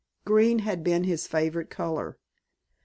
Green had been his favorite color.